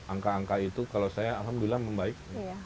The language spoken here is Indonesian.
angka angka itu kalau saya alhamdulillah membaik